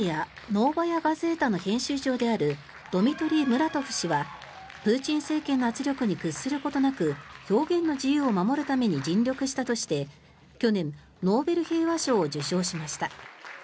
ノーバヤ・ガゼータの編集長であるドミトリー・ムラトフ氏はプーチン政権の圧力に屈することなく表現の自由を守るために尽力したとして去年、ノーベル平和賞を受賞しました。